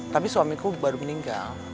tapi suamiku baru meninggal